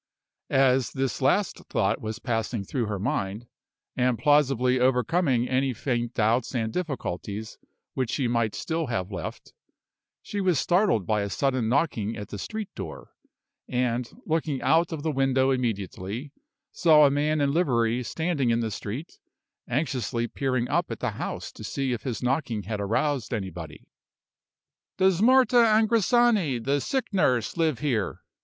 As this last thought was passing through her mind, and plausibly overcoming any faint doubts and difficulties which she might still have left, she was startled by a sudden knocking at the street door; and, looking out of the window immediately, saw a man in livery standing in the street, anxiously peering up at the house to see if his knocking had aroused anybody. "Does Marta Angrisani, the sick nurse, live here?"